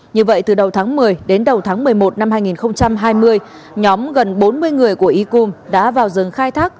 như vậy từ đầu tháng một mươi đến đầu tháng một mươi một năm hai nghìn hai mươi nhóm gần bốn mươi người của y cung đã vào rừng khai thác